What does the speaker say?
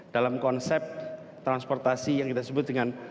dalam konsep transportasi yang kita sebut dengan